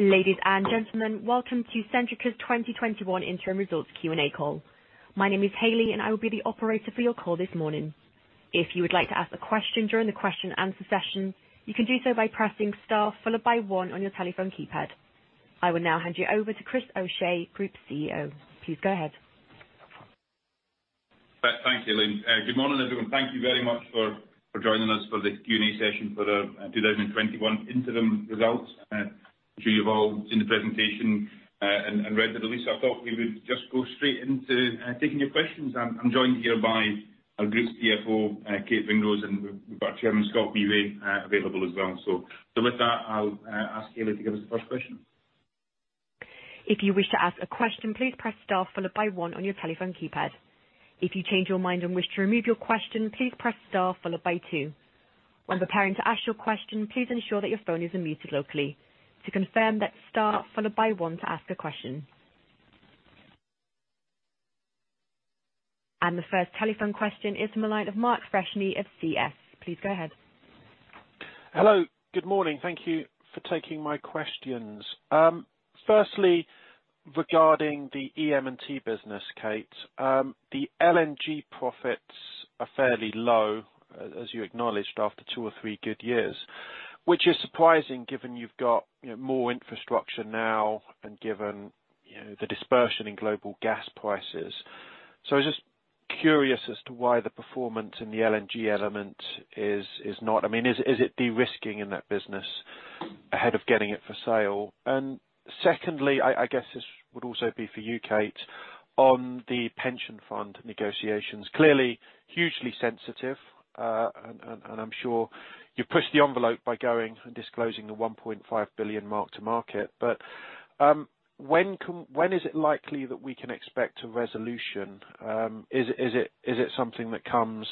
Ladies and gentlemen, welcome to Centrica's 2021 interim results Q&A call. My name is Hayley, and I will be the operator for your call this morning. If you would like to ask a question during the question answer session, you can do so by pressing star followed by one on your telephone keypad. I will now hand you over to Chris O'Shea, Group CEO. Please go ahead. Thanks, Hayley. Good morning, everyone. Thank you very much for joining us for the Q&A session for our 2021 interim results. I'm sure you've all seen the presentation and read the release. I thought we would just go straight into taking your questions. I'm joined here by our Group CFO, Kate Ringrose, and we've got our Chairman, Scott Wheway, available as well. With that, I'll ask Hayley to give us the first question. If you wish to ask a question, please press star, followed by one on your telephone keypad. If you change your mind and wish to remove your question, please press star, followed by two. When preparing to ask your question, please ensure that your phone is unmuted locally. To confirm, that's star, followed by one to ask a question. The first telephone question is the line of Mark Freshney of CS. Please go ahead. Hello. Good morning. Thank you for taking my questions. Firstly, regarding the EM&T business, Kate. The LNG profits are fairly low, as you acknowledged, after two or three good years, which is surprising given you've got more infrastructure now and given the dispersion in global gas prices. I was just curious as to why the performance in the LNG element. Is it de-risking in that business ahead of getting it for sale? Secondly, I guess this would also be for you, Kate, on the pension fund negotiations. Clearly hugely sensitive, and I'm sure you pushed the envelope by going and disclosing the 1.5 billion market to market. When is it likely that we can expect a resolution? Is it something that comes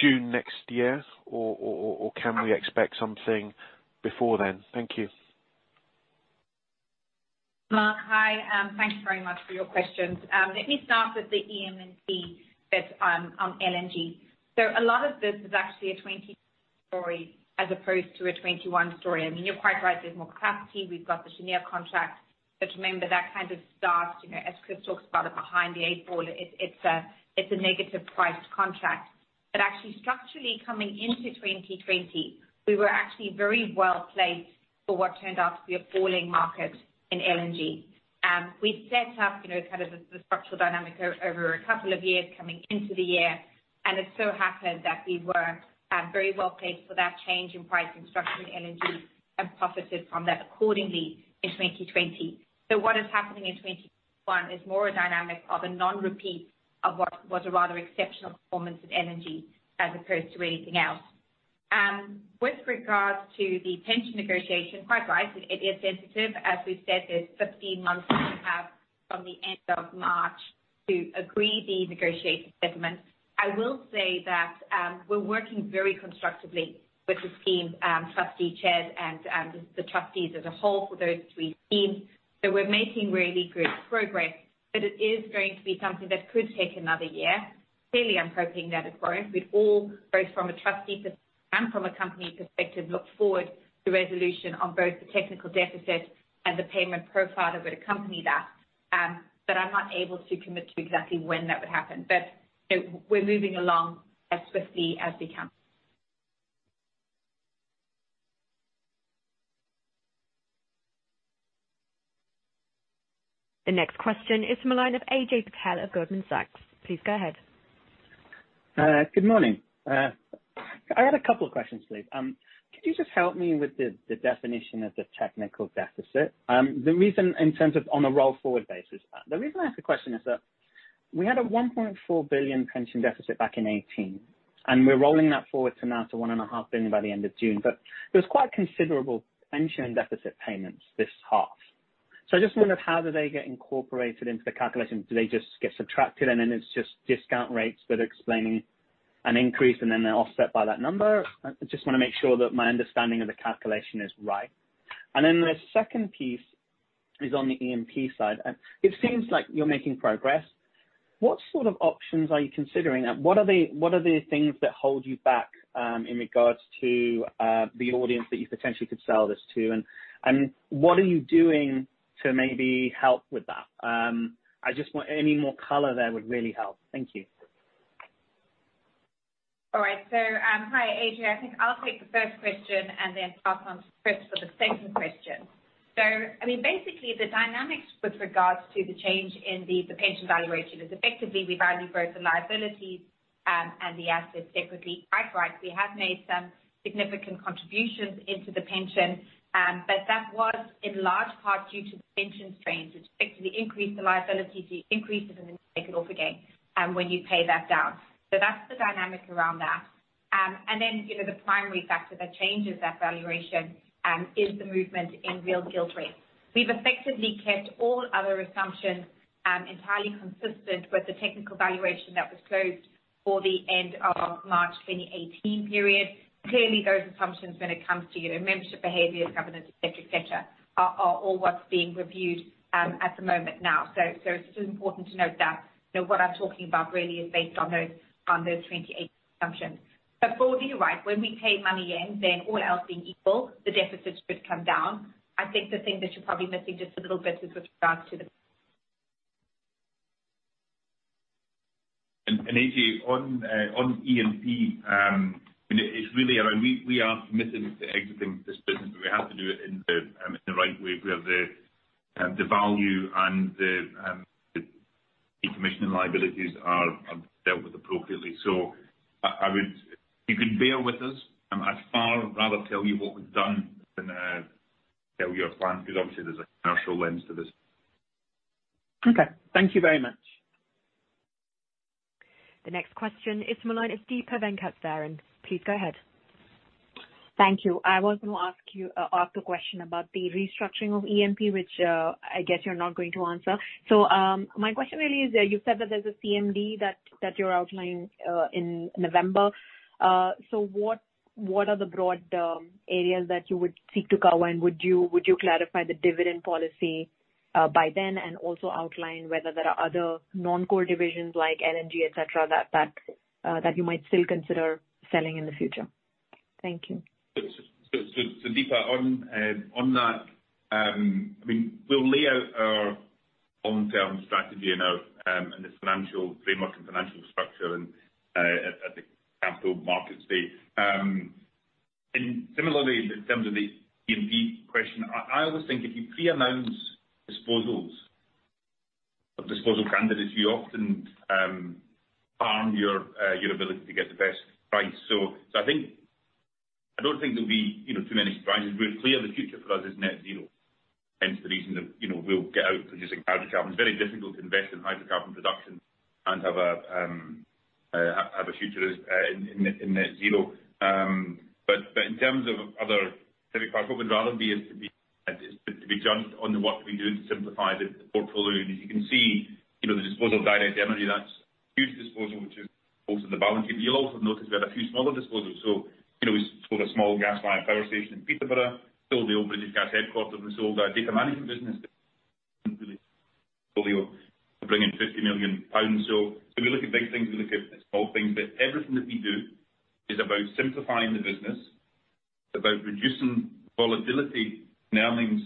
June next year, or can we expect something before then? Thank you. Mark. Hi. Thank you very much for your questions. Let me start with the EM&T bit on LNG. A lot of this is actually a 2020 story as opposed to a 2021 story. You're quite right, there's more capacity. We've got the Cheniere contract. Remember, that kind of starts, as Chris talks about it, behind the eight ball. It's a negative price contract. Actually structurally coming into 2020, we were actually very well placed for what turned out to be a falling market in LNG. We set up kind of the structural dynamic over a couple of years coming into the year, and it so happened that we were very well placed for that change in price and structure in LNG and profited from that accordingly in 2020. What is happening in 2021 is more a dynamic of a non-repeat of what was a rather exceptional performance in energy as opposed to anything else. With regards to the pension negotiation, quite rightly, it is sensitive. As we've said, there's 15 months we have from the end of March to agree the negotiation settlement. I will say that we're working very constructively with the scheme trustee chairs and the trustees as a whole for those three schemes. We're making really good progress, but it is going to be something that could take another year. Clearly, I'm hoping that it won't. We'd all, both from a trustee perspective and from a company perspective, look forward to resolution on both the technical deficit and the payment profile that would accompany that. I'm not able to commit to exactly when that would happen. We're moving along as swiftly as we can. The next question is from the line of Ajay Patel of Goldman Sachs. Please go ahead. Good morning. I had a couple of questions, please. Could you just help me with the definition of the technical deficit? The reason, in terms of on a roll forward basis. The reason I ask the question is that we had a 1.4 billion pension deficit back in 2018, and we're rolling that forward to now to 1.5 billion by the end of June. There was quite considerable pension deficit payments this half. I just wondered how do they get incorporated into the calculation? Do they just get subtracted and then it's just discount rates that are explaining an increase and then they're offset by that number? I just want to make sure that my understanding of the calculation is right. The second piece is on the E&P side. It seems like you're making progress. What sort of options are you considering? What are the things that hold you back, in regards to the audience that you potentially could sell this to? What are you doing to maybe help with that? Any more color there would really help. Thank you. All right. Hi, Ajay. I think I'll take the first question and then pass on to Chris for the second question. Basically the dynamics with regards to the change in the pension valuation is effectively we value both the liabilities and the assets separately. Quite right, we have made some significant contributions into the pension. That was in large part due to the pension strains, which effectively increase the liability to increases and then take it off again, when you pay that down. That's the dynamic around that. The primary factor that changes that valuation is the movement in real yield rates. We've effectively kept all other assumptions entirely consistent with the technical valuation that was closed for the end of March 2018 period. Clearly, those assumptions, when it comes to membership behaviors, governance, et cetera, are all what's being reviewed at the moment now. It's just important to note that what I'm talking about really is based on those 28 assumptions. Broadly, you're right. When we pay money in, then all else being equal, the deficit should come down. I think the thing that you're probably missing just a little bit is with regards to the- Ajay, on E&P, we are committed to exiting this business, but we have to do it in the right way where the value and the decommissioning liabilities are dealt with appropriately. If you can bear with us, I'd far rather tell you what we've done than tell you our plan, because obviously there's a commercial lens to this. Okay. Thank you very much. The next question is from the line of Deepa Venkateswaran. Please go ahead. Thank you. I was going to ask a question about the restructuring of E&P, which I guess you're not going to answer. My question really is, you said that there's a CMD that you're outlining in November. What are the broad areas that you would seek to cover? Would you clarify the dividend policy by then? Also outline whether there are other non-core divisions like LNG, et cetera, that you might still consider selling in the future? Thank you. Deepa on that, we'll lay out our long-term strategy and the financial framework and financial structure at the Capital Markets Day. Similarly, in terms of the E&P question, I always think if you pre-announce disposals of disposal candidates, you often harm your ability to get the best price. I don't think there'll be too many surprises. We're clear the future for us is net zero, hence the reason that we'll get out producing hydrocarbons. Very difficult to invest in hydrocarbon production and have a future in net zero. In terms of other specific parts, what we'd rather be is to be judged on the work that we do to simplify the portfolio. As you can see, the disposal of Direct Energy, that's a huge disposal which is also on the balance sheet. You'll also notice we had a few smaller disposals. We sold a small gas line power station in Peterborough, sold the old British Gas headquarters. We sold our data management business portfolio to bring in 50 million pounds. We look at big things, we look at small things. Everything that we do is about simplifying the business, about reducing volatility in earnings,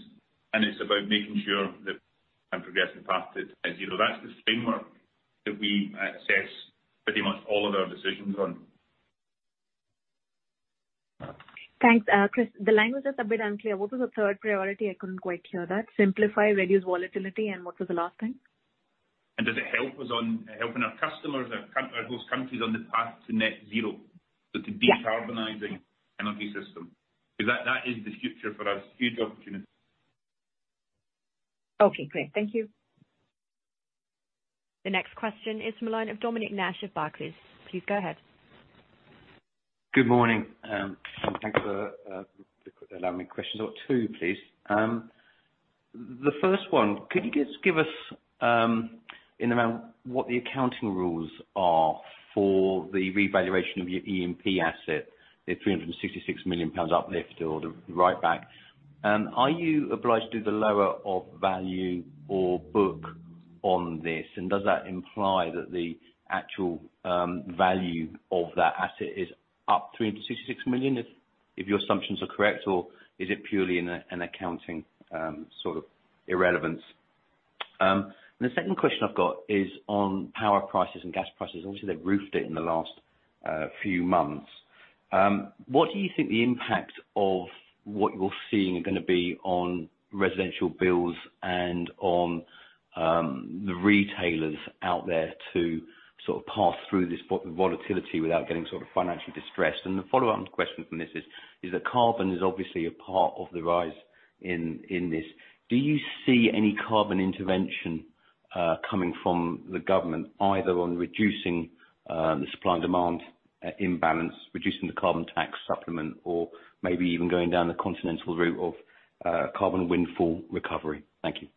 and it's about making sure that I'm progressing fast to net zero. That's the framework that we assess pretty much all of our decisions on. Thanks. Chris, the language was a bit unclear. What was the third priority? I couldn't quite hear that. Simplify, reduce volatility, and what was the last thing? Does it help us on helping our customers, our host countries on the path to net zero? Yeah. To decarbonizing energy system. That is the future for us, huge opportunity. Okay, great. Thank you. The next question is from the line of Dominic Nash of Barclays. Please go ahead. Good morning. Thanks for allowing me questions. I got two, please. The first one, could you just give us an amount what the accounting rules are for the revaluation of your E&P asset, the 366 million pounds uplift or the write back? Are you obliged to do the lower of value or book on this? Does that imply that the actual value of that asset is up 366 million, if your assumptions are correct, or is it purely an accounting sort of irrelevance? The second question I've got is on power prices and gas prices. Obviously, they've roofed it in the last few months. What do you think the impact of what you're seeing are going to be on residential bills and on the retailers out there to sort of pass through this volatility without getting sort of financially distressed? The follow-on question from this is, carbon is obviously a part of the rise in this. Do you see any carbon intervention coming from the government, either on reducing the supply and demand imbalance, reducing the carbon tax supplement, or maybe even going down the continental route of carbon windfall recovery? Thank you.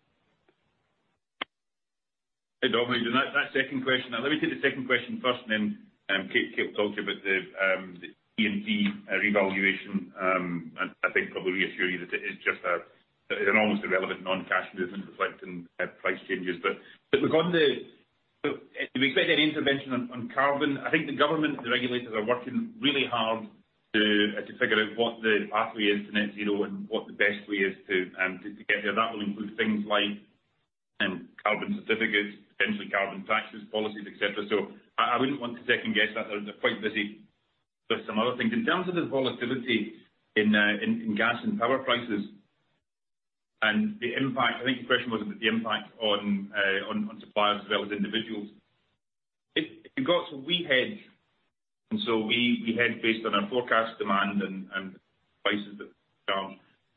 Hey, Dominic, on that second question. Let me take the second question first, and then Kate will talk to you about the E&P revaluation. I think probably reassure you that it is an almost irrelevant non-cash movement reflecting price changes. Do we expect any intervention on carbon? I think the government and the regulators are working really hard to figure out what the pathway is to net zero and what the best way is to get there. That will include things like carbon certificates, potentially carbon taxes, policies, et cetera. I wouldn't want to second guess that. They're quite busy with some other things. In terms of the volatility in gas and power prices and the impact, I think your question was about the impact on suppliers as well as individuals. We hedge based on our forecast demand and prices that. For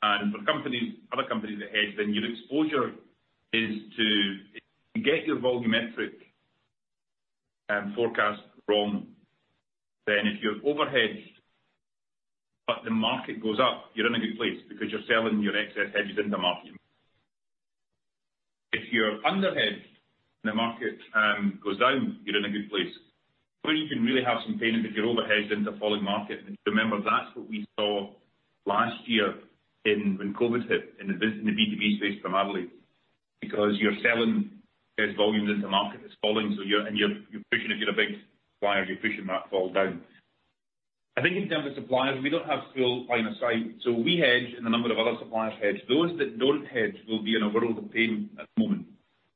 other companies that hedge, your exposure is to get your volumetric forecast wrong. If you're overhedged but the market goes up, you're in a good place because you're selling your excess hedges into the market. If you're underhedged and the market goes down, you're in a good place. Where you can really have some pain is if you're overhedged into a falling market. Remember, that's what we saw last year when COVID hit in the B2B space primarily, because you're selling those volumes into a market that's falling, and if you're a big supplier, you're pushing that fall down. I think in terms of suppliers, we don't have full line of sight. We hedge and a number of other suppliers hedge. Those that don't hedge will be in a world of pain at the moment.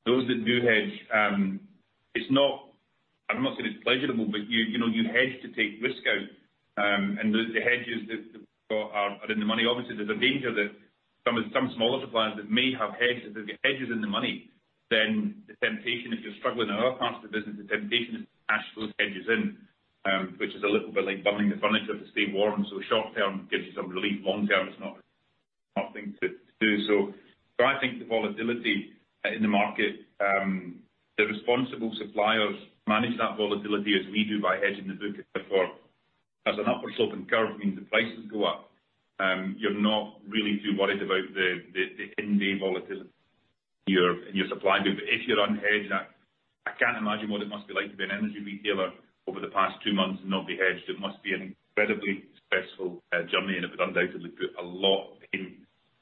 Those that do hedge, I'm not saying it's pleasurable, but you hedge to take risk out, and the hedges that we got are in the money. Obviously, there's a danger that some smaller suppliers that may have hedges. If they've got hedges in the money, then the temptation, if you're struggling in other parts of the business, the temptation is to cash those hedges in, which is a little bit like burning the furniture to stay warm. Short-term, gives you some relief. Long-term, it's not the thing to do. I think the volatility in the market, the responsible suppliers manage that volatility as we do by hedging the book. As an upward-sloping curve means the prices go up, you're not really too worried about the in-day volatility in your supply. If you're unhedged, I can't imagine what it must be like to be an energy retailer over the past two months and not be hedged. It must be an incredibly stressful journey, and it would undoubtedly put a lot of pain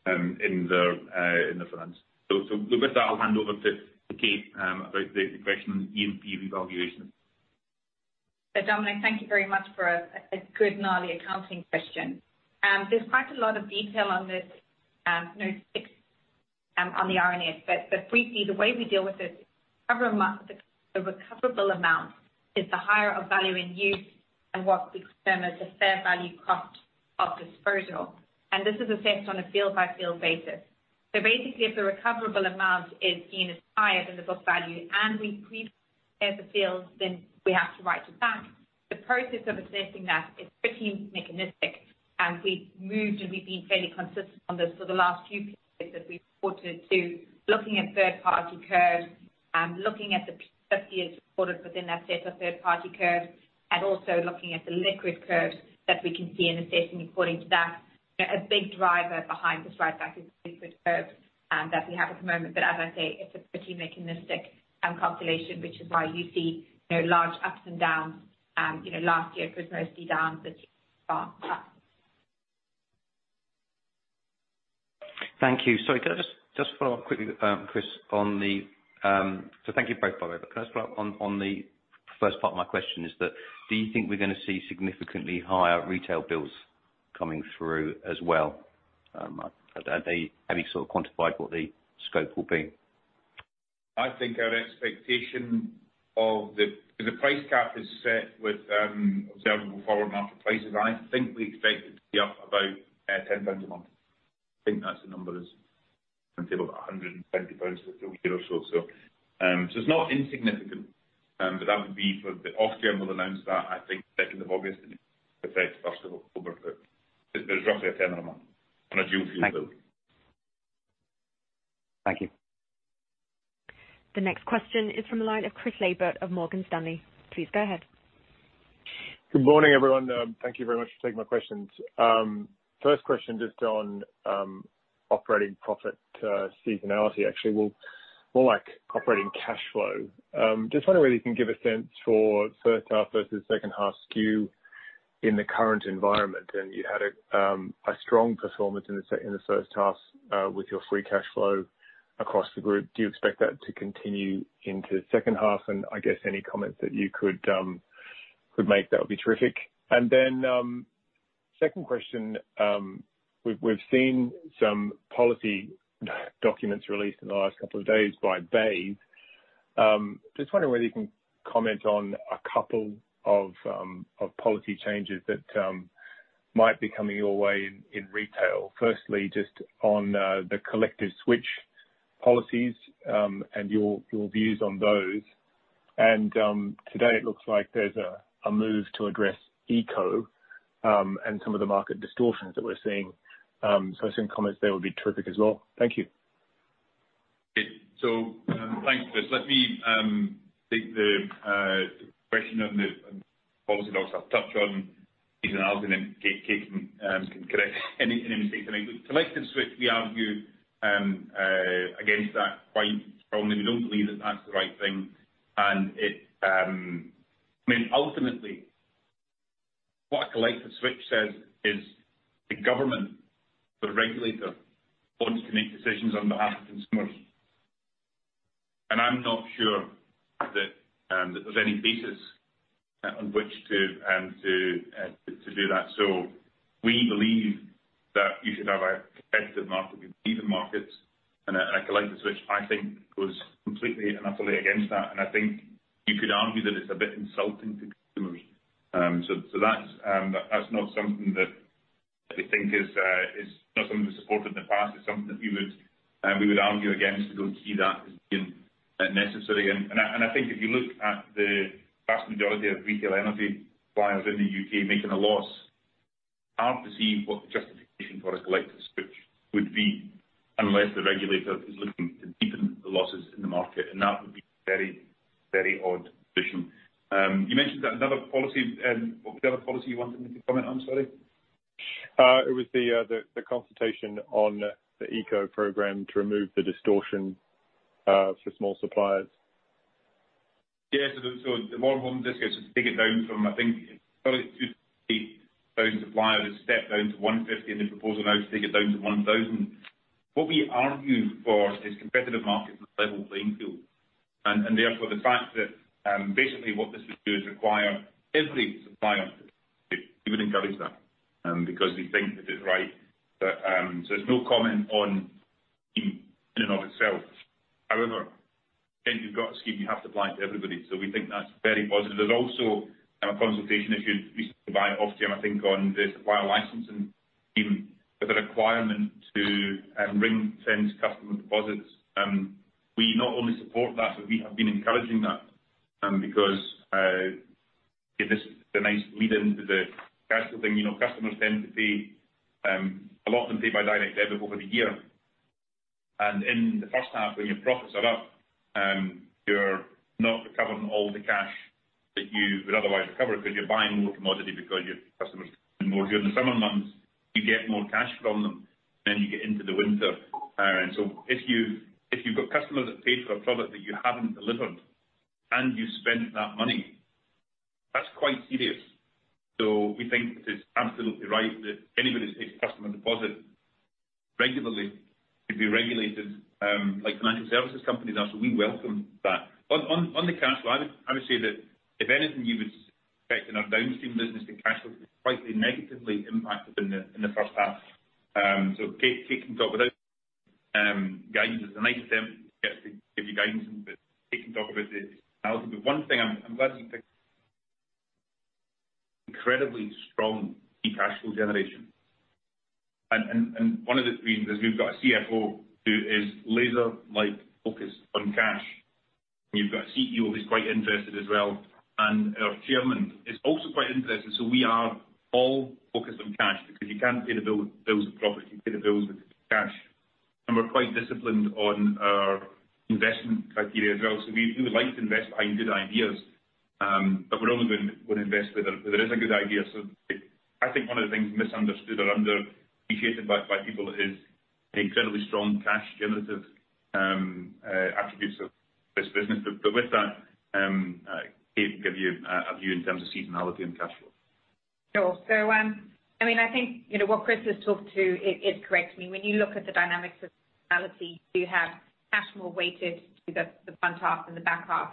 in the finance. With that, I'll hand over to Kate about the question on E&P revaluation. Dominic, thank you very much for a good, gnarly accounting question. There's quite a lot of detail on this, note six on the RNS. Briefly, the way we deal with this, the recoverable amount is the higher of value in use and what we term as the fair value cost of disposal. This is assessed on a field-by-field basis. Basically, if the recoverable amount is deemed as higher than the book value and we previously impaired the fields, then we have to write it back. The process of assessing that is pretty mechanistic, and we've moved and we've been fairly consistent on this for the last few periods that we've reported to looking at third-party curves, looking at the P50 as reported within that set of third-party curves, and also looking at the liquid curves that we can see and assessing according to that. A big driver behind this write back is liquid curves that we have at the moment. As I say, it's a pretty mechanistic calculation, which is why you see large ups and downs. Last year it was mostly downs. Thank you. Sorry, can I just follow up quickly, Chris. Thank you both, by the way. Can I just follow up on the first part of my question is that, do you think we're going to see significantly higher retail bills coming through as well? Have you sort of quantified what the scope will be? I think our expectation of the price cap is set with observable forward market prices. I think we expect it to be up about 10 pounds a month. I think that's the number that's been tabled, at 170 pounds for the year or so. It's not insignificant, but that would be for the Ofgem will announce that, I think, August 2nd, and it affects 1st of October. There's roughly a 10 a month on a dual fuel bill. Thank you. The next question is from the line of Chris Laybutt of Morgan Stanley. Please go ahead. Good morning, everyone. Thank you very much for taking my questions. First question just on operating profit seasonality. Actually, more like operating cash flow. Just wonder whether you can give a sense for first half versus second half skew in the current environment. You had a strong performance in the first half with your free cash flow across the group. Do you expect that to continue into second half? I guess any comments that you could make, that would be terrific. Second question. We've seen some policy documents released in the last couple of days by BEIS. Just wondering whether you can comment on a couple of policy changes that might be coming your way in retail. Firstly, just on the collective switch policies, and your views on those. Today it looks like there's a move to address ECO, and some of the market distortions that we're seeing. Some comments there would be terrific as well. Thank you. Thanks, Chris. Let me take the question on the policy docs. I'll touch on seasonality, and then Kate can correct any mistakes I make. Collective switch, we argue against that quite strongly. We don't believe that that's the right thing. Ultimately what a collective switch says is the government, the regulator wants to make decisions on behalf of consumers. I'm not sure that there's any basis on which to do that. We believe that you should have a competitive market. We believe in markets. A collective switch, I think, goes completely and utterly against that. I think you could argue that it's a bit insulting to consumers. That's not something that we think is not something we supported in the past. It's something that we would argue against. We don't see that as being necessary. I think if you look at the vast majority of retail energy suppliers in the U.K. making a loss, it is hard to see what the justification for a collective switch would be unless the regulator is looking to deepen the losses in the market. That would be a very, very odd position. You mentioned another policy. What was the other policy you wanted me to comment on? Sorry. It was the consultation on the ECO program to remove the distortion for small suppliers. Yeah. The bottom line of this case is to take it down from, I think currently 2,000 suppliers to step down to 150 in the proposal. Now to take it down to 1,000. What we argue for is competitive markets and a level playing field. Therefore, the fact that basically what this will do is require every supplier would encourage that because we think that it's right. There's no comment on in and of itself. However, if you've got a scheme, you have to apply it to everybody. We think that's very positive. There's also a consultation issued recently by Ofgem, I think, on the supplier licensing, even with a requirement to ring-fence customer deposits. We not only support that, but we have been encouraging that because give us a nice lead into the cash flow thing. Customers tend to pay, a lot of them pay by direct debit over the year. In the first half, when your profits are up, you're not recovering all the cash that you would otherwise recover because you're buying more commodity, because your customers more. During the summer months, you get more cash from them than you get into the winter. If you've got customers that paid for a product that you haven't delivered and you've spent that money, that's quite serious. We think it is absolutely right that anybody that takes a customer deposit regularly should be regulated like financial services companies are. We welcome that. On the cash flow, I would say that if anything, you would expect in our downstream business, the cash flow to be quite negatively impacted in the first half. Kate can talk about guidance. It's a nice attempt to get to give you guidance, Kate can talk about the seasonality. One thing I'm glad you picked incredibly strong free cash flow generation. One of the reasons is we've got a CFO who is laser-like focused on cash. You've got a CEO who is quite interested as well. Our Chairman is also quite interested. We are all focused on cash because you can't pay the bills with profit, you pay the bills with cash. We're quite disciplined on our investment criteria as well. We like to invest behind good ideas, but we're only going to invest where there is a good idea. I think one of the things misunderstood or underappreciated by people is the incredibly strong cash generative attributes of this business. With that, Kate can give you a view in terms of seasonality and cash flow. Sure. I think what Chris has talked to is correct. When you look at the dynamics of seasonality, you have cash more weighted to the front half than the back half.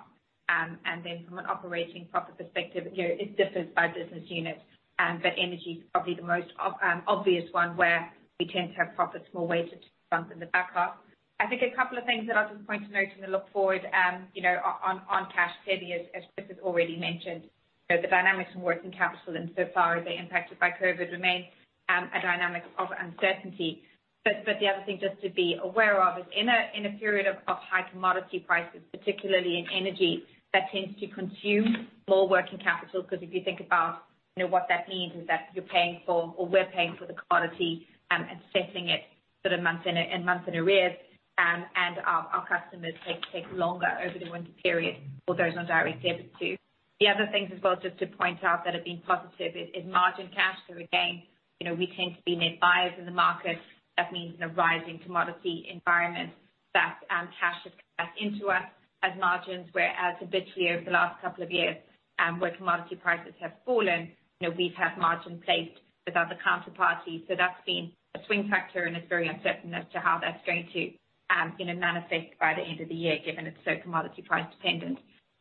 From an operating profit perspective, it differs by business unit. Energy is probably the most obvious one where we tend to have profits more weighted to the front than the back half. I think a couple of things that I'll just point to note when we look forward on cash, clearly as Chris has already mentioned. The dynamics in working capital and so far as they're impacted by COVID remain a dynamic of uncertainty. The other thing just to be aware of is in a period of high commodity prices, particularly in energy, that tends to consume more working capital. If you think about what that means is that you're paying for, or we're paying for the commodity and settling it for the months and months in arrears, and our customers take longer over the winter period for those on direct debits too. The other things as well, just to point out that have been positive is margin cash. Again, we tend to be net buyers in the market. That means in a rising commodity environment that cash has come back into us as margins whereas habitually over the last couple of years, where commodity prices have fallen, we've had margins placed with other counterparties. That's been a swing factor and it's very uncertain as to how that's going to manifest by the end of the year, given it's so commodity price dependent.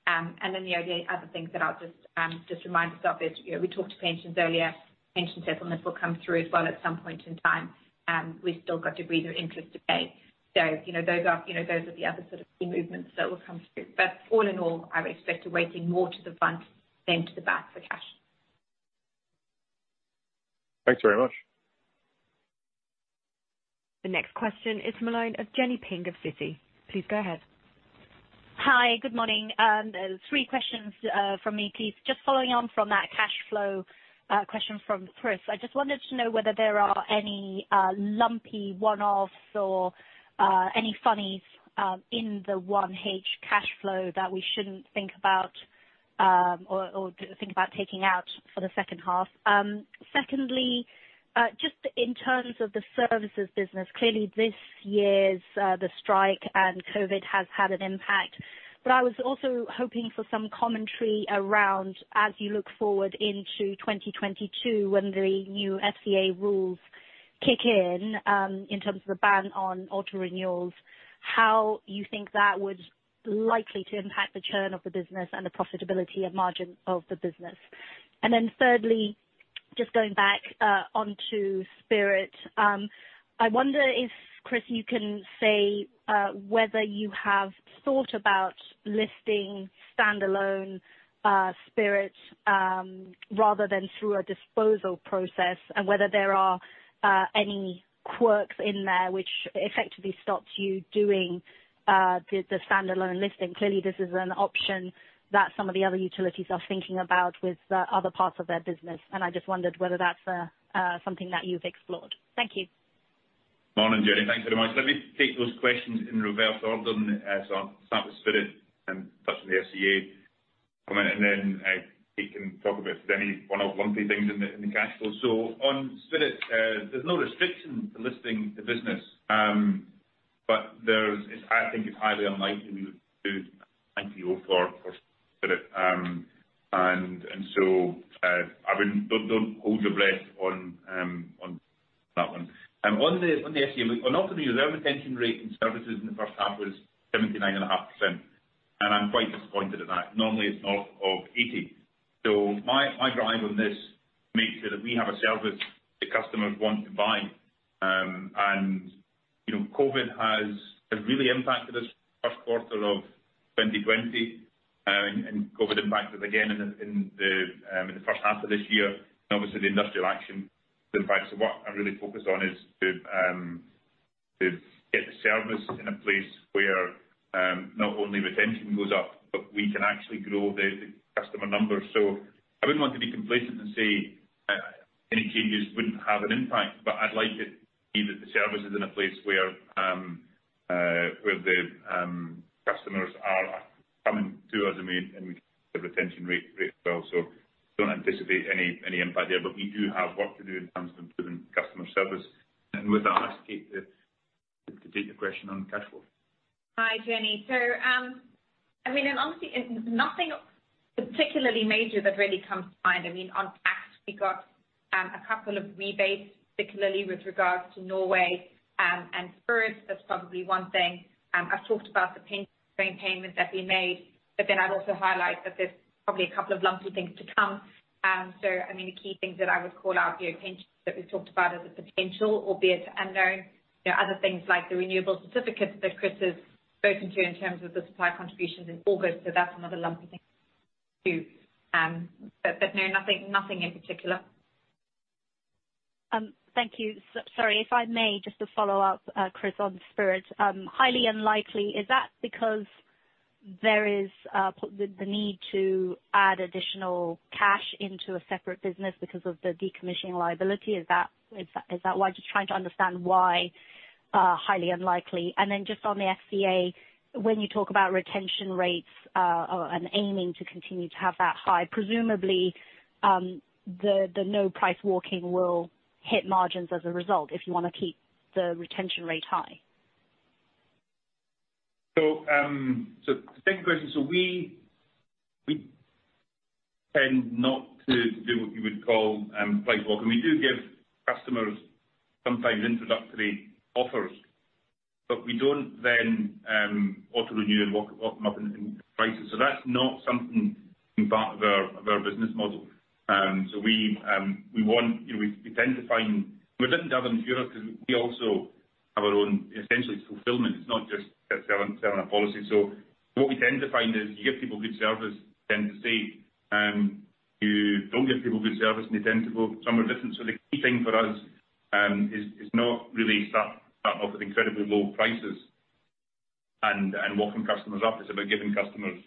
The only other things that I'll just remind yourself is, we talked to pensions earlier. Pension settlements will come through as well at some point in time. We've still got a degree of interest to pay. Those are the other sort of key movements that will come through. All in all, I would expect a weighting more to the front than to the back for cash. Thanks very much. The next question is from the line of Jenny Ping of Citi. Please go ahead. Hi. Good morning. Three questions from me, please. Just following on from that cash flow question from Chris. I just wanted to know whether there are any lumpy one-offs or any funnies in the 1H cash flow that we shouldn't think about or think about taking out for the second half. Secondly, just in terms of the services business. Clearly this year's, the strike and COVID has had an impact. I was also hoping for some commentary around as you look forward into 2022 when the new FCA rules kick in terms of the ban on auto renewals, how you think that would likely to impact the churn of the business and the profitability and margin of the business. Thirdly, just going back onto Spirit. I wonder if, Chris, you can say whether you have thought about listing standalone Spirit rather than through a disposal process, whether there are any quirks in there which effectively stops you doing the standalone listing. Clearly, this is an option that some of the other utilities are thinking about with other parts of their business, I just wondered whether that's something that you've explored. Thank you. Morning, Jenny. Thanks very much. Let me take those questions in reverse order. I'll start with Spirit and touch on the FCA comment, and then Kate can talk about if there's any one-off lumpy things in the cash flow. On Spirit, there's no restriction to listing the business. I think it's highly unlikely we would do an IPO for Spirit. Don't hold your breath. On the FCA, on auto-renewal, our retention rate in services in the first half was 79.5%, and I'm quite disappointed at that. Normally it's north of 80. My drive on this, make sure that we have a service that customers want to buy. COVID has really impacted us first quarter of 2020, and COVID impacted again in the first half of this year, and obviously the industrial action impact. What I really focus on is to get the service in a place where not only retention goes up, but we can actually grow the customer numbers. I wouldn't want to be complacent and say any changes wouldn't have an impact, but I'd like it to be that the service is in a place where the customers are coming to us, and we keep the retention rate well. Don't anticipate any impact there. We do have work to do in terms of improving customer service. With that, I'll ask Kate to take the question on cash flow. Hi, Jenny. Honestly, nothing particularly major that really comes to mind. On tax, we got a couple of rebates, particularly with regards to Norway and Spirit. That's probably one thing. I've talked about the pension payment that we made, but then I'd also highlight that there's probably a couple of lumpy things to come. The key things that I would call out, the pensions that we've talked about as a potential, albeit unknown. There are other things like the renewable certificates that Chris has spoken to in terms of the supply contributions in August. That's another lumpy thing too. No, nothing in particular. Thank you. Sorry, if I may, just to follow up, Chris, on Spirit. Highly unlikely. Is that because there is the need to add additional cash into a separate business because of the decommissioning liability? Is that why? Just trying to understand why highly unlikely. Just on the FCA, when you talk about retention rates, and aiming to continue to have that high, presumably, the no price walking will hit margins as a result if you want to keep the retention rate high. Two questions. We tend not to do what you would call price walking. We do give customers sometimes introductory offers. We don't then auto-renew and walk them up in prices. That's not something that's part of our business model. We tend to find we're a little different in Europe because we also have our own essentially fulfillment. It's not just selling a policy. What we tend to find is you give people good service, they tend to stay. You don't give people good service and they tend to go somewhere different. The key thing for us is not really start off with incredibly low prices and walking customers up. It's about giving customers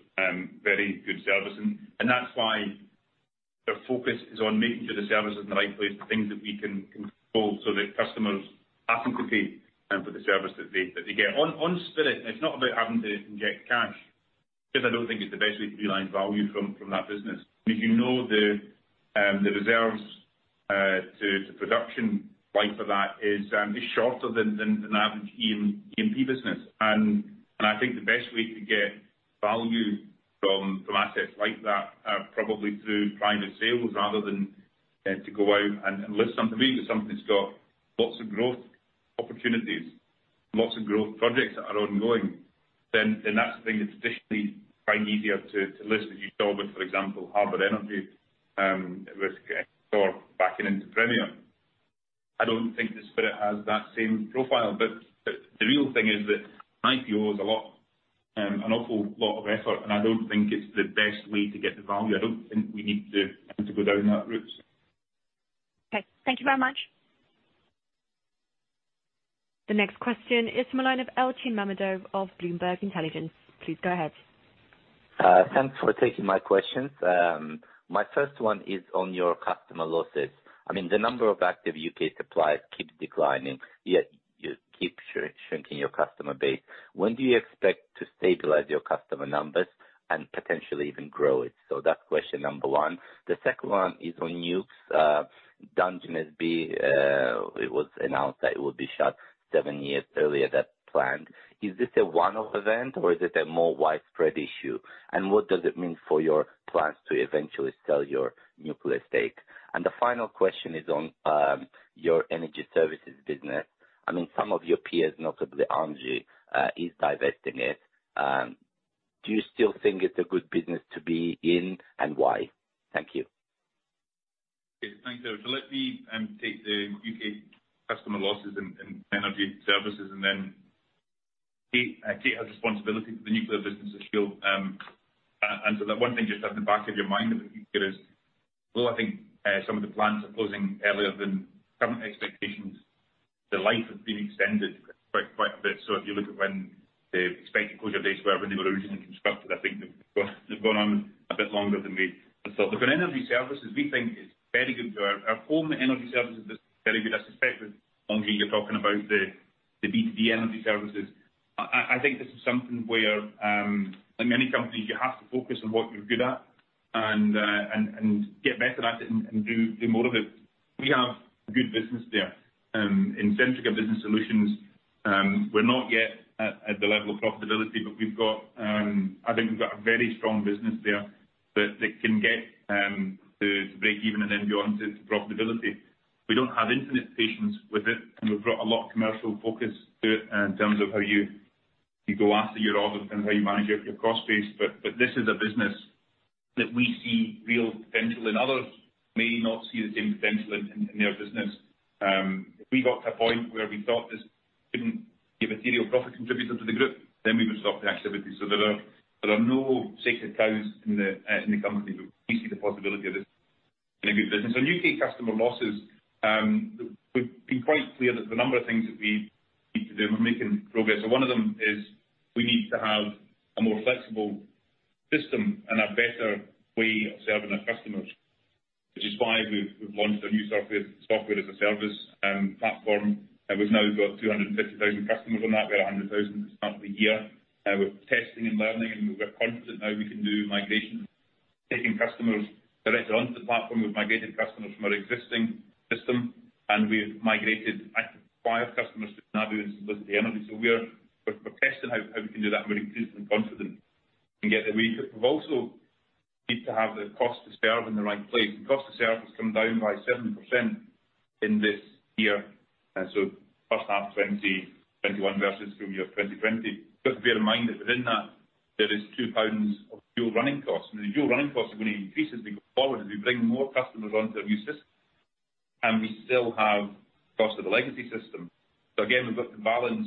very good service. That's why the focus is on making sure the service is in the right place, the things that we can control so that customers happily pay for the service that they get. On Spirit, it's not about having to inject cash, because I don't think it's the best way to realize value from that business. Because you know the reserves to production life of that is shorter than the average E&P business. I think the best way to get value from assets like that are probably through private sales rather than to go out and list something. To me, if something's got lots of growth opportunities, lots of growth projects that are ongoing, then that's something that's traditionally quite easier to list, as you saw with, for example, Harbour Energy with Chrysaor backing into Premier. I don't think the Spirit has that same profile. The real thing is that an IPO is an awful lot of effort, and I don't think it's the best way to get the value. I don't think we need to go down that route. Okay. Thank you very much. The next question is from the line of Elchin Mammadov of Bloomberg Intelligence. Please go ahead. Thanks for taking my questions. My first one is on your customer losses. The number of active U.K. suppliers keeps declining, yet you keep shrinking your customer base. When do you expect to stabilize your customer numbers and potentially even grow it? That's question number one. The second one is on nuke. Dungeness B, it was announced that it would be shut seven years earlier than planned. Is this a one-off event or is it a more widespread issue? What does it mean for your plans to eventually sell your nuclear stake? The final question is on your energy services business. Some of your peers, notably ENGIE is divesting it. Do you still think it's a good business to be in and why? Thank you. Okay. Thanks, Elchin. Let me take the U.K. customer losses and energy services, and then Kate has responsibility for the nuclear business as she'll answer that one. Just at the back of your mind, if we could is, well, I think some of the plants are closing earlier than current expectations. The life has been extended quite a bit. If you look at when the expected closure dates were when they were originally constructed, I think they've gone on a bit longer than we had thought. For energy services, we think it's very good. Our own energy services business is very good. I suspect with ENGIE you're talking about the B2B energy services. I think this is something where, like many companies, you have to focus on what you're good at and get better at it and do more of it. We have good business there. In Centrica Business Solutions, we're not yet at the level of profitability. I think we've got a very strong business there that can get to break even and then move on to profitability. We don't have infinite patience with it, and we've got a lot of commercial focus to it in terms of how you go after your offers and how you manage your cost base. This is a business that we see real potential in. Others may not see the same potential in their business. If we got to a point where we thought this couldn't be a material profit contributor to the group, then we would stop the activity. There are no sacred cows in the company, but we see the possibility of this being a good business. On U.K. customer losses, we've been quite clear that the number of things that we need to do, we're making progress. One of them is we need to have a more flexible system and a better way of serving our customers, which is why we've launched a new Software as a Service platform, and we've now got 250,000 customers on that. We had 100,000 at the start of the year. We're testing and learning, and we're confident now we can do migration, taking customers directly onto the platform. We've migrated customers from our existing system, and we've migrated active supplier customers to Nabuh and Fidelity Energy. We're testing how we can do that more increasingly confident and get the read. We also need to have the cost to serve in the right place. The cost to serve has come down by 70% in this year, so first half 2021 versus full year 2020. You've got to bear in mind that within that, there is 2 pounds of dual running costs. The dual running costs are going to increase as we go forward, as we bring more customers onto the new system, and we still have cost of the legacy system. Again, we've got to balance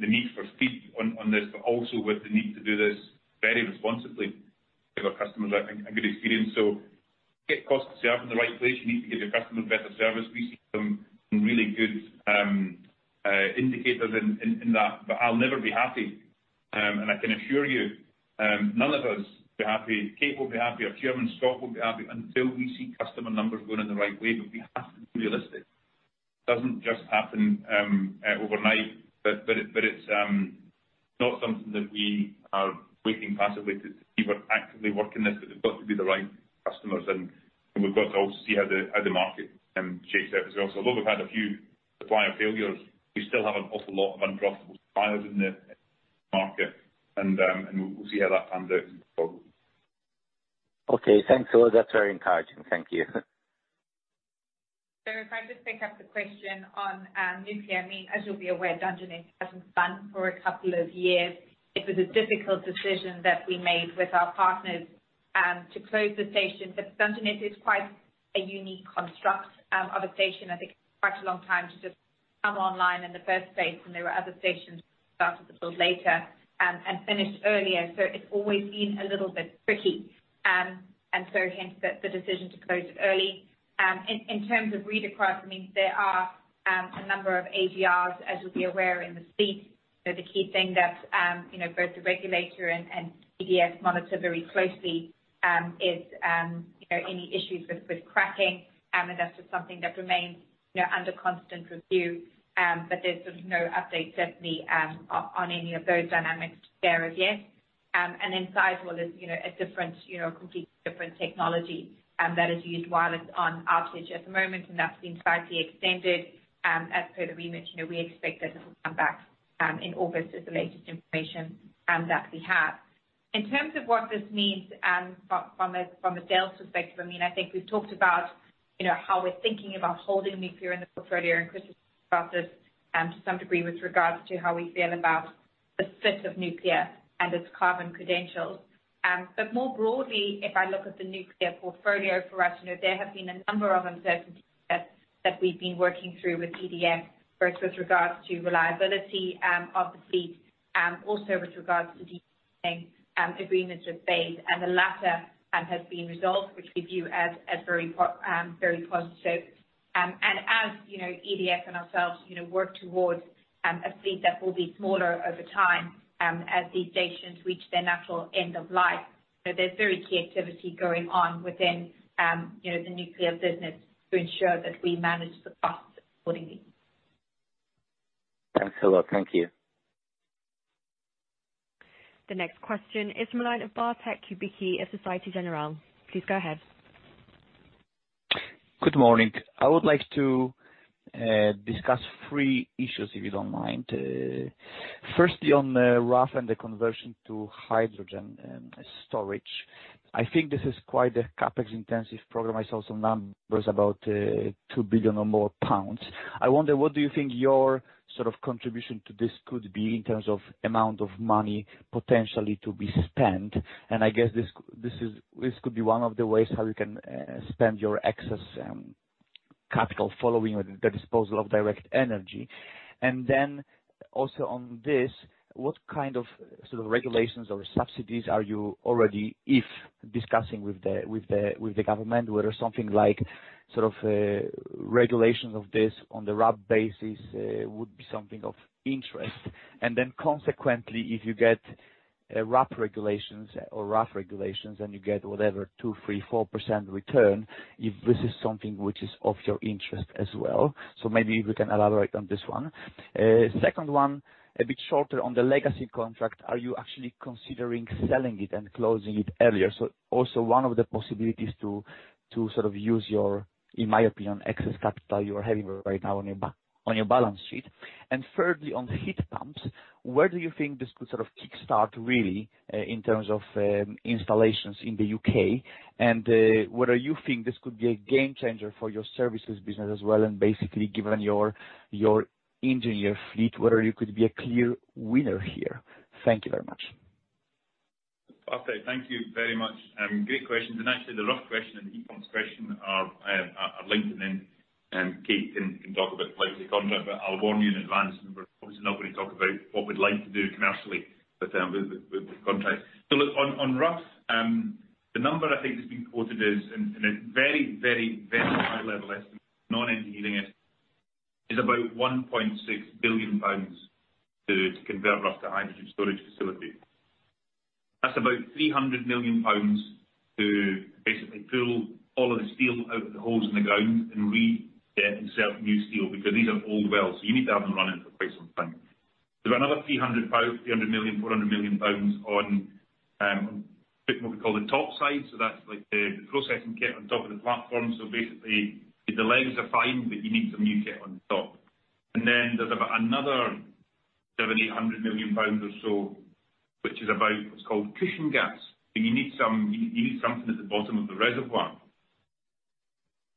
the need for speed on this, but also with the need to do this very responsibly to give our customers a good experience. To get costs to serve in the right place, you need to give your customers better service. We see some really good indicators in that. I'll never be happy, and I can assure you, none of us will be happy. Kate won't be happy. Our chairman, Scott, won't be happy until we see customer numbers going in the right way. We have to be realistic. It doesn't just happen overnight. It's not something that we are waiting passively to see. We're actively working this, but they've got to be the right customers, and we've got to also see how the market shakes out as well. Although we've had a few supplier failures, we still have an awful lot of unprofitable suppliers in the market, and we'll see how that pans out going forward. Okay. Thanks a lot. That's very encouraging. Thank you. If I just pick up the question on nuclear, I mean, as you'll be aware, Dungeness hasn't run for a couple of years. It was a difficult decision that we made with our partners to close the station. Dungeness is quite a unique construct of a station. I think it took quite a long time to just come online in the first place, and there were other stations that started to build later and finished earlier. It's always been a little bit tricky, hence the decision to close it early. In terms of redeployment, there are a number of AGRs, as you'll be aware, in the fleet. The key thing that both the regulator and EDF monitor very closely is any issues with cracking. That's just something that remains under constant review. There's no update definitely on any of those dynamics there as yet. Sizewell is a completely different technology that is used while it's on outage at the moment, and that's been slightly extended. As per the remit, we expect that it will come back in August is the latest information that we have. In terms of what this means from a sale perspective, I think we've talked about how we're thinking about holding nuclear in the portfolio, and Chris has talked about this to some degree with regards to how we feel about the fit of nuclear and its carbon credentials. More broadly, if I look at the nuclear portfolio for us, there have been a number of uncertainties that we've been working through with EDF, both with regards to reliability of the fleet, also with regards to decommissioning agreements with BEIS. The latter has been resolved, which we view as very positive. As EDF and ourselves work towards a fleet that will be smaller over time as these stations reach their natural end of life. There's very key activity going on within the nuclear business to ensure that we manage the costs accordingly. Thanks a lot. Thank you. The next question is from the line of Bartek Kubicki at Societe Generale. Please go ahead. Good morning. I would like to discuss three issues, if you don't mind. Firstly, on Rough and the conversion to hydrogen storage. I think this is quite a CapEx-intensive program. I saw some numbers about 2 billion or more. I wonder, what do you think your contribution to this could be in terms of amount of money potentially to be spent? I guess this could be one of the ways how you can spend your excess capital following the disposal of Direct Energy. Also on this, what kind of sort of regulations or subsidies are you already, if discussing with the government, whether something like regulations of this on the RAB basis would be something of interest? Consequently, if you get Rough regulations or Rough regulations and you get whatever, 2%, 3%, 4% return, if this is something which is of your interest as well. Maybe if you can elaborate on this one. Second one, a bit shorter on the legacy contract, are you actually considering selling it and closing it earlier? Also one of the possibilities to use your, in my opinion, excess capital you are having right now on your balance sheet. Thirdly, on heat pumps, where do you think this could sort of kickstart really, in terms of installations in the U.K.? Whether you think this could be a game changer for your services business as well and basically given your engineer fleet, whether you could be a clear winner here. Thank you very much. Okay. Thank you very much. Great questions. Actually the Rough question and the heat pumps question are linked and then Kate can talk about the legacy contract. I'll warn you in advance, we're obviously not going to talk about what we'd like to do commercially with contracts. Look, on Rough, the number I think that's been quoted is in a very, very, very high level estimate, non-engineering estimate, is about 1.6 billion pounds to convert Rough to a hydrogen storage facility. That's about 300 million pounds to basically pull all of the steel out of the holes in the ground and reinsert new steel, because these are old wells, so you need to have them running for quite some time. There's another 300 million pounds, 400 million pounds on what we call the top side. That's like the processing kit on top of the platform. Basically, the legs are fine, you need some new kit on top. There's about another 700 million-800 million pounds or so, which is about what's called cushion gas. You need something at the bottom of the reservoir.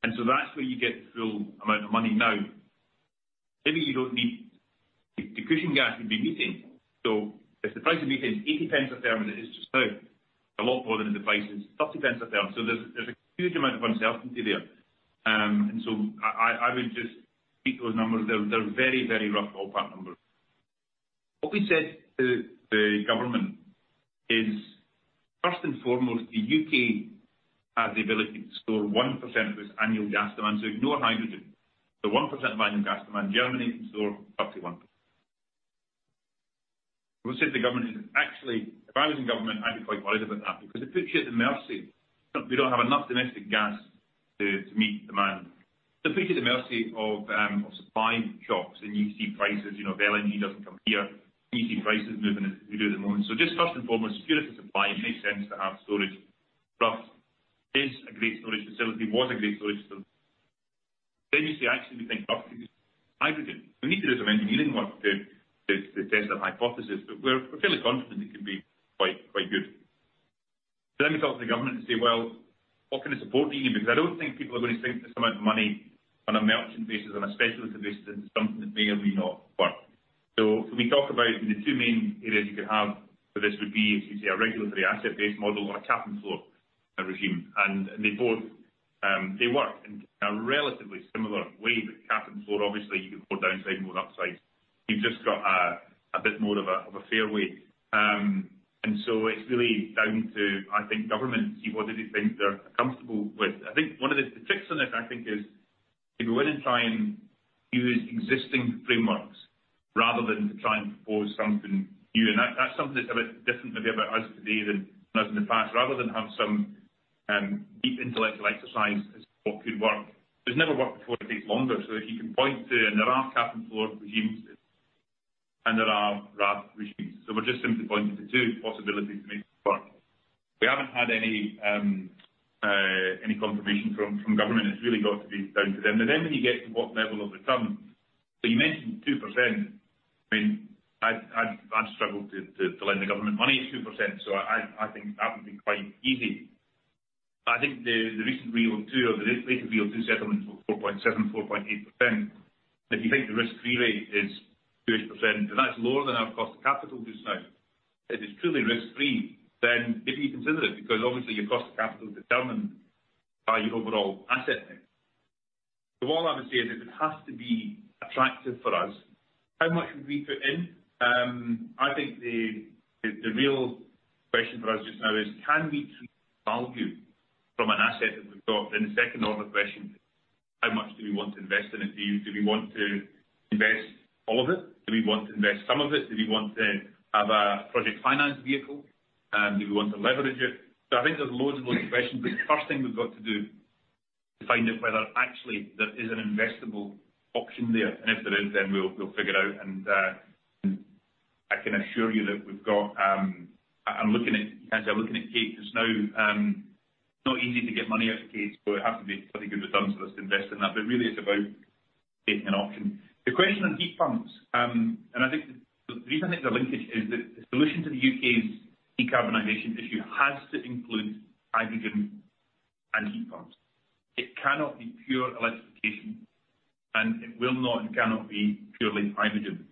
That's where you get the full amount of money now. The cushion gas could be methane. If the price of methane is 0.80 per therm and it is just now, a lot more than it if the price is 0.30 per therm. There's a huge amount of uncertainty there. I would just treat those numbers, they're very, very rough ballpark numbers. What we said to the government is, first and foremost, the U.K. has the ability to store 1% of its annual gas demand. Ignore hydrogen. 1% of annual gas demand. Germany can store 31%. What we said to the government is actually, if I was in government, I'd be quite worried about that because it puts you at the mercy. We don't have enough domestic gas to meet demand. It puts you at the mercy of supply shocks and you see prices, LNG doesn't come here, and you see prices moving as we do at the moment. Just first and foremost, security supply, it makes sense to have storage. Rough is a great storage facility, was a great storage facility. You say, actually, we think Rough could be hydrogen. We need to do some engineering work to test that hypothesis, but we're fairly confident it can be quite good. We talk to the government and say, well, what kind of support do you need? I don't think people are going to spend this amount of money on a merchant basis, on a speculative basis, into something that may or may not work. We talk about the two main areas you could have for this would be, as you say, a regulatory asset-based model or a cap and floor regime. They work in a relatively similar way, cap and floor, obviously, you can more downside, more upside. You've just got a bit more of a fairway. It's really down to, I think government to see what do they think they're comfortable with. The tricks on this, I think, is if we were to try and use existing frameworks rather than to try and propose something new, that's something that's a bit different maybe about us today than us in the past. Rather than have some deep intellectual exercise as what could work. If it's never worked before, it takes longer. If you can point to, and there are cap and floor regimes, and there are Rough regimes. We're just simply pointing to two possibilities to make it work. We haven't had any confirmation from government. It's really got to be down to them. When you get to what level of return. You mentioned 2%. I'd struggle to lend the government money at 2%, so I think that would be quite easy. I think the recent RIIO-2 or the latest RIIO-2 settlement was 4.7%, 4.8%. If you think the risk-free rate is 2%, and that's lower than our cost of capital just now. If it's truly risk-free, then maybe you consider it, because obviously your cost of capital is determined by your overall asset mix. All I would say is it has to be attractive for us. How much would we put in? I think the real question for us just now is, can we create value from an asset that we've got? The second order question is, how much do we want to invest in it? Do we want to invest all of it? Do we want to invest some of it? Do we want to have a project finance vehicle? Do we want to leverage it? I think there's loads more questions, but the first thing we've got to do to find out whether actually there is an investable option there. If there is, then we'll figure it out and I can assure you that I'm looking at Kate just now. It's not easy to get money out of Kate, so it has to be pretty good returns for us to invest in that. Really it's about taking an option. The question on heat pumps, and the reason I think there's a linkage is that the solution to the U.K.'s decarbonization issue has to include hydrogen and heat pumps. It cannot be pure electrification, and it will not and cannot be purely hydrogen.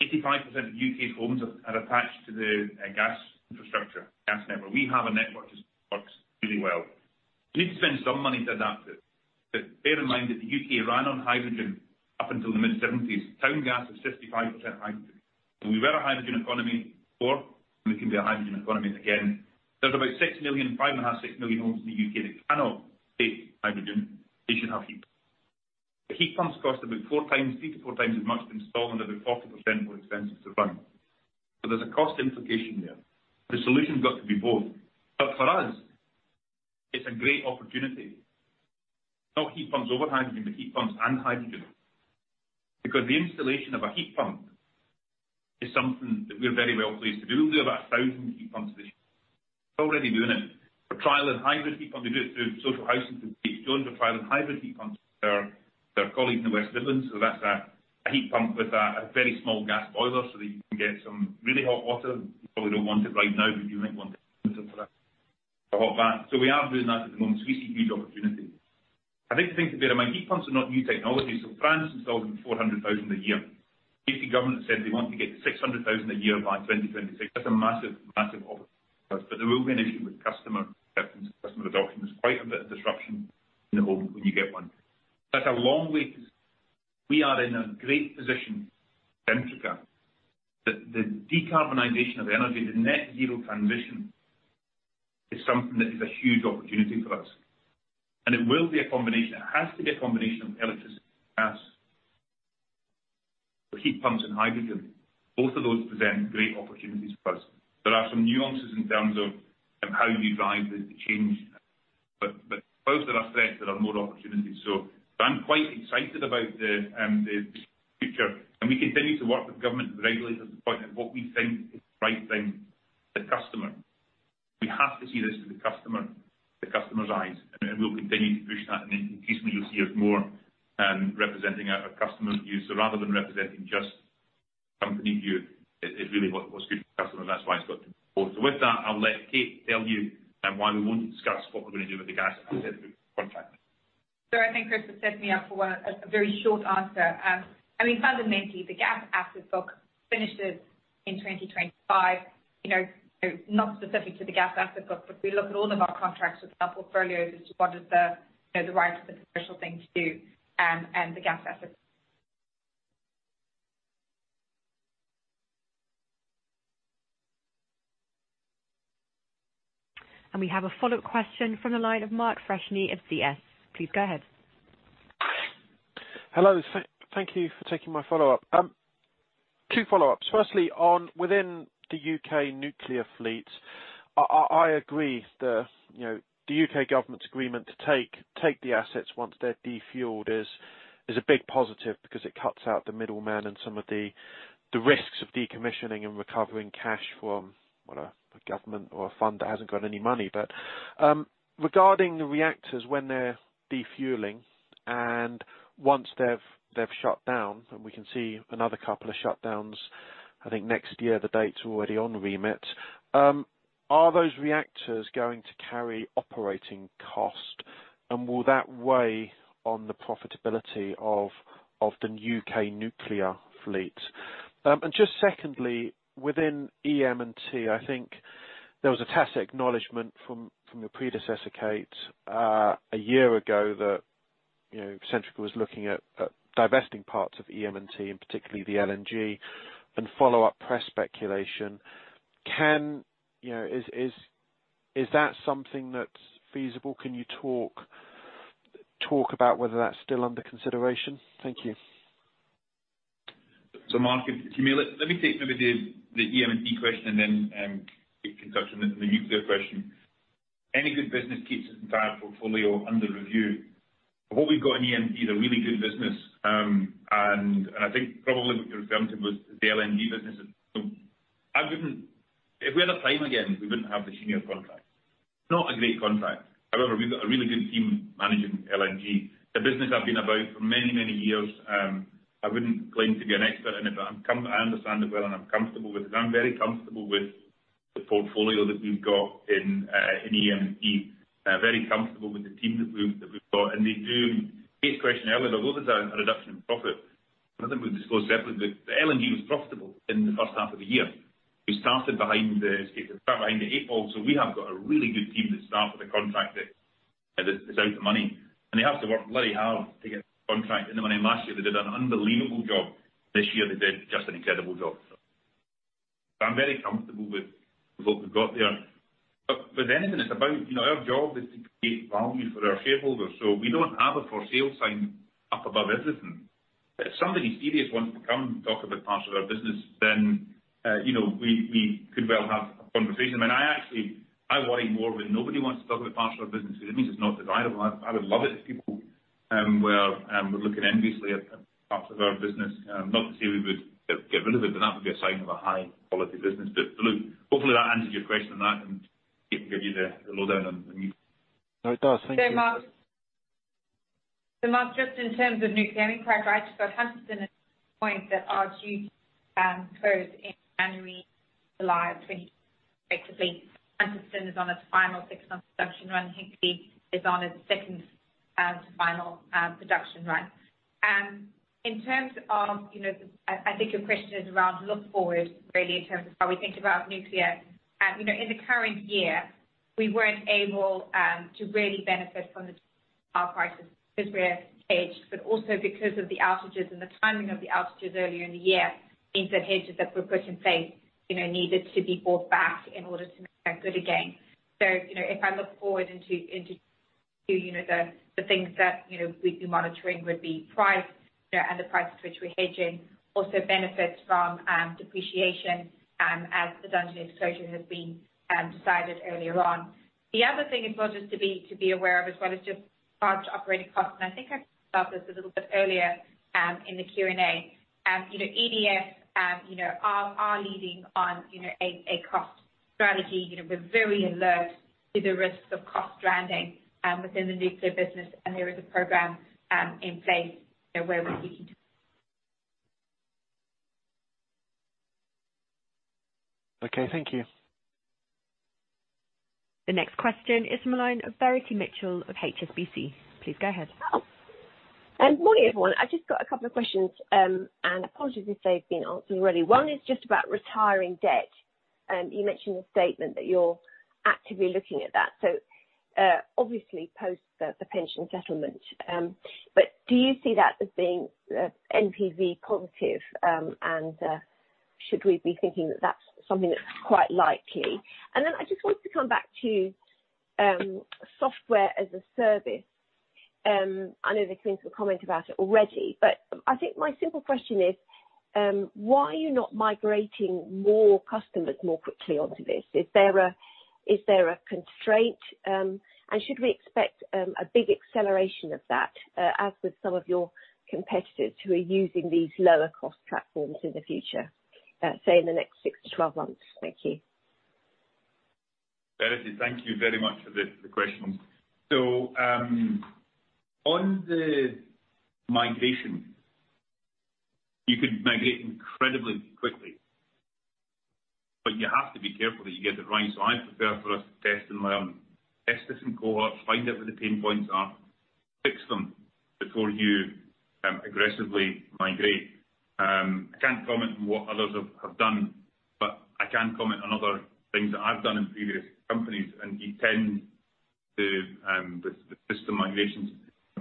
85% of U.K.'s homes are attached to the gas infrastructure, gas network. We have a network which works really well. We need to spend some money to adapt it. Bear in mind that the U.K. ran on hydrogen up until the mid-1970s. Town gas was 55% hydrogen. We were a hydrogen economy before, and we can be a hydrogen economy again. There's about 6 million, 5.5 million, 6 million homes in the U.K. that cannot take hydrogen. They should have heat pumps. The heat pumps cost about three to four times as much to install and about 40% more expensive to run. There's a cost implication there. The solution's got to be both. For us, it's a great opportunity. Not heat pumps over hydrogen, but heat pumps and hydrogen. The installation of a heat pump is something that we're very well-placed to do. We do about 1,000 heat pumps a year. We're already doing it for trial and hybrid heat pump. We do it through social housing and proving hybrid heat pumps with our colleagues in the West Midlands. That's a heat pump with a very small gas boiler so that you can get some really hot water. You probably don't want it right now, but you might want it in the winter for a hot bath. We are doing that at the moment. We see huge opportunity. I'd like you to think, bear in mind, heat pumps are not new technology. France installed 400,000 a year. U.K. government said they want to get to 600,000 a year by 2026. That's a massive opportunity for us, but there will be an issue with customer acceptance, customer adoption. There's quite a bit of disruption in the home when you get one. We are in a great position, Centrica. The decarbonization of energy, the net zero transition is something that is a huge opportunity for us. It will be a combination. It has to be a combination of electricity and gas. Heat pumps and hydrogen, both of those present great opportunities for us. There are some nuances in terms of how you drive the change, but first, there are threats that are more opportunities. I'm quite excited about the future, and we continue to work with government and regulators to the point of what we think is the right thing for the customer. We have to see this through the customer's eyes, and we'll continue to push that. Increasingly, you'll see us more representing our customer's view. Rather than representing just company view, it's really what's good for the customer. That's why it's got to be both. With that, I'll let Kate tell you why we won't discuss what we're going to do with the gas asset contracts. I think Chris has set me up for a very short answer. Fundamentally, the gas asset book finishes in 2025. Not specific to the gas asset book, but we look at all of our contracts with our portfolios as to what is the right and the commercial thing to do and the gas assets. We have a follow-up question from the line of Mark Freshney of CS. Please go ahead. Hello. Thank you for taking my follow-up. Two follow-ups. Firstly, within the U.K. nuclear fleet, I agree the U.K. government's agreement to take the assets once they're defueled is a big positive because it cuts out the middleman and some of the risks of decommissioning and recovering cash from a government or a fund that hasn't got any money. Regarding the reactors, when they're defueling and once they've shut down, and we can see another two shutdowns, I think next year, the date's already on a Remit. Are those reactors going to carry operating cost? Will that weigh on the profitability of the U.K. nuclear fleet? Just secondly, within EM&T, I think there was a tacit acknowledgment from your predecessor, Kate, a year ago that Centrica was looking at divesting parts of EM&T, and particularly the LNG, and follow-up press speculation. Is that something that's feasible? Can you talk about whether that's still under consideration? Thank you. Mark, if I may, let me take maybe the EM&T question and then Kate can touch on the nuclear question. Any good business keeps its entire portfolio under review. What we've got in EM&T is a really good business, and I think probably what you're referring to was the LNG business. If we had a time again, we wouldn't have the Cheniere contract. Not a great contract. However, we've got a really good team managing LNG. It's a business I've been about for many, many years. I wouldn't claim to be an expert in it, but I understand it well, and I'm comfortable with it. I'm very comfortable with the portfolio that we've got in EM&T. Very comfortable with the team that we've got, and as Kate mentioned earlier earlier, although there's a reduction in profit, another we've disclosed separately, but the LNG was profitable in the first half of the year. We have got a really good team that start with a contract that is out of money, and they have to work very hard to get the contract in the money. Last year, they did an unbelievable job. This year, they did just an incredible job. I'm very comfortable with what we've got there. Again, our job is to create value for our shareholders. We don't have a for sale sign up above everything. If somebody serious wants to come talk about parts of our business, then we could well have a conversation. I worry more when nobody wants to talk about parts of our business because it means it's not desirable. I would love it if people were looking enviously at parts of our business. Not to say we would get rid of it, but that would be a sign of a high-quality business. Look, hopefully, that answers your question on that, and Kate can give you the lowdown on the nukes. No, it does. Thank you. Mark, just in terms of nuclear, you're quite right. Hunterston B at this point that are due to close in January, July of 2026, effectively. Hunterston B is on its final six-month production run. Hink B is on its second to final production run. I think your question is around look forward, really, in terms of how we think about nuclear. In the current year, we weren't able to really benefit from the power crisis because we're hedged, but also because of the outages and the timing of the outages earlier in the year means that hedges that were put in place needed to be bought back in order to make that good again. If I look forward into. You know the things that we'd be monitoring would be price and the price at which we're hedging also benefits from depreciation, as the Dungeness closure has been decided earlier on. The other thing, it was just to be aware of as well is just large operating costs. I think I saw this a little bit earlier, in the Q&A. EDF are leading on a cost strategy. We're very alert to the risks of cost stranding within the nuclear business. There is a program in place where we're seeking to. Okay. Thank you. The next question is from the line of Verity Mitchell of HSBC. Please go ahead. Hello. Morning, everyone. I just got a couple of questions, apologies if they've been answered already. One is just about retiring debt. You mentioned the statement that you're actively looking at that, obviously post the pension settlement. Do you see that as being NPV positive? Should we be thinking that that's something that's quite likely? I just wanted to come back to Software as a Service. I know there's been some comment about it already, I think my simple question is why are you not migrating more customers more quickly onto this? Is there a constraint? Should we expect a big acceleration of that, as with some of your competitors who are using these lower-cost platforms in the future, say, in the next 6-12 months? Thank you. Verity, thank you very much for the questions. On the migration, you could migrate incredibly quickly, but you have to be careful that you get it right. I prefer for us to test and learn, test this in cohort, find out where the pain points are, fix them before you aggressively migrate. I can't comment on what others have done, but I can comment on other things that I've done in previous companies. You tend to, with the system migrations,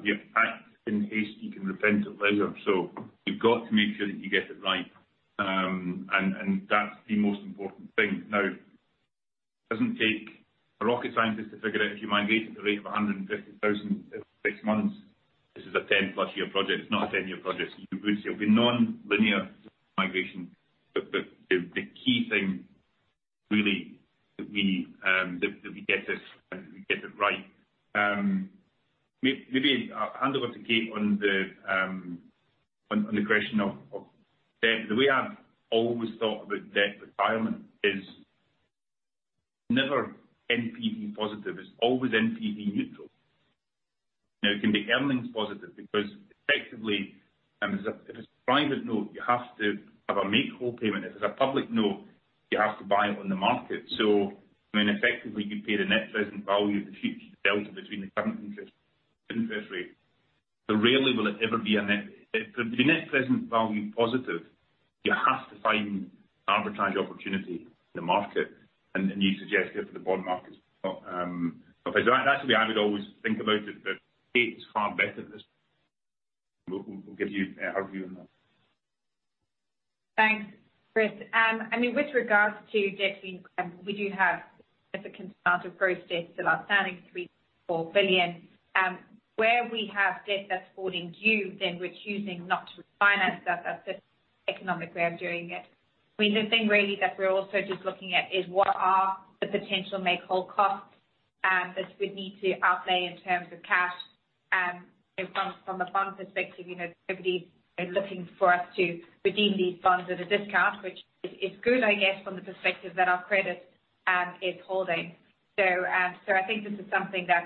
you act in haste, you can repent at leisure. You've got to make sure that you get it right. That's the most important thing. Now, it doesn't take a rocket scientist to figure out if you migrate at the rate of 150,000 in six months. This is a 10-plus year project. It's not a 10-year project. It would still be non-linear migration. The key thing really that we get it right. Maybe I'll hand over to Kate on the question of debt. The way I've always thought about debt retirement is never NPV positive. It's always NPV neutral. Now it can be earnings positive because effectively, if it's a private note, you have to have a make-whole payment. If it's a public note, you have to buy it on the market. Effectively you pay the net present value of the future delta between the current interest rate. Rarely will it ever be a net. For the net present value positive, you have to find arbitrage opportunity in the market. You suggested for the bond market. That's the way I would always think about it, but Kate is far better at this. We'll give you her view on that. Thanks, Chris. With regards to debt, we do have a significant amount of gross debt still outstanding, 3, 4 billion. Where we have debt that's falling due, then we're choosing not to refinance that. That's just economic way of doing it. The thing really that we're also just looking at is what are the potential make-whole costs that we'd need to outlay in terms of cash from a bond perspective. Everybody is looking for us to redeem these bonds at a discount, which is good, I guess from the perspective that our credit is holding. I think this is something that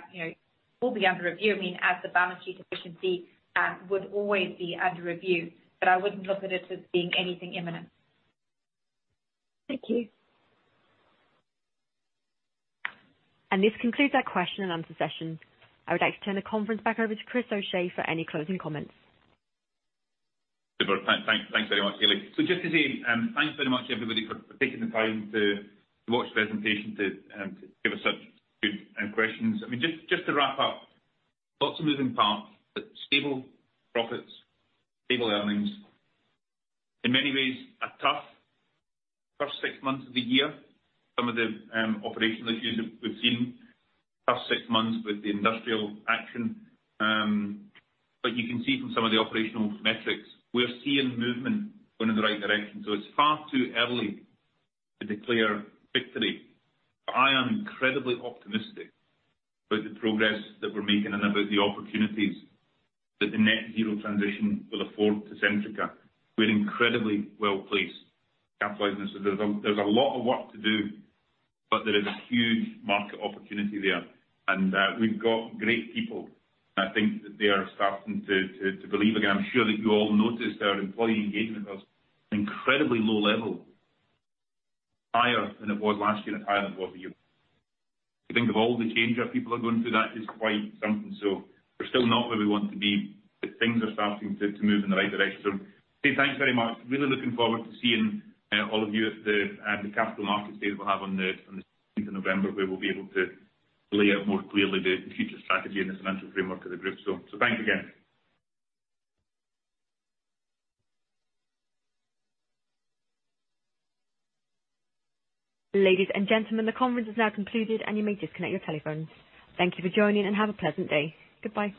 will be under review as the balance sheet efficiency would always be under review. I wouldn't look at it as being anything imminent. Thank you. This concludes our question and answer session. I would like to turn the conference back over to Chris O'Shea for any closing comments. Super. Thanks very much, Hayley. Just to say, thanks very much everybody for taking the time to watch the presentation, to give us such good questions. Just to wrap up, lots of moving parts, but stable profits, stable earnings. In many ways, a tough first six months of the year. Some of the operational issues that we've seen first six months with the industrial action. You can see from some of the operational metrics we're seeing movement going in the right direction. It's far too early to declare victory. I am incredibly optimistic about the progress that we're making and about the opportunities that the net zero transition will afford to Centrica. We're incredibly well-placed to capitalize on this. There's a lot of work to do, but there is huge market opportunity there. We've got great people, and I think that they are starting to believe again. I'm sure that you all noticed our employee engagement was incredibly low level. Higher than it was last year and higher than it was the year before. If you think of all the change our people are going through, that is quite something. We're still not where we want to be, but things are starting to move in the right direction. Thanks very much. Really looking forward to seeing all of you at the Capital Markets Day that we'll have on November 17th, where we'll be able to lay out more clearly the future strategy and the financial framework of the group. Thanks again. Ladies and gentlemen, the conference is now concluded and you may disconnect your telephones. Thank you for joining and have a pleasant day. Goodbye.